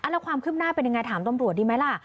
แล้วความคืบหน้าเป็นยังไงถามตำรวจดีไหมล่ะ